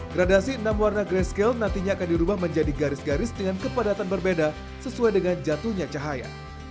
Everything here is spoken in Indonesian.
gradasi enam warna gray scale nantinya akan dirubah menjadi garis garis dengan kepadatan berbeda sesuai dengan jatuhnya cahaya